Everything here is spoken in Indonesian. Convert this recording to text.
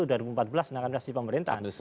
undang undang administrasi pemerintahan